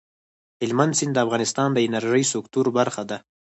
هلمند سیند د افغانستان د انرژۍ سکتور برخه ده.